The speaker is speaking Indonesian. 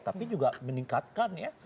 tapi juga meningkatkan ya